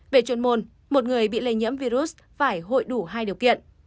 về chuyên môn một người bị lây nhiễm virus phải hội đủ hai điều kiện